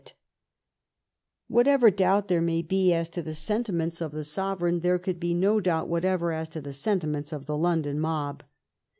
'^ 297 THE REIGN OF QUEEN ANNE Whatever doubt there may be as to the sentiments of the sovereign, there could be no doubt whatever as to the sentiments of the London mob.